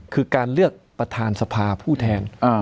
คือการเลือกประธานสภาผู้แทน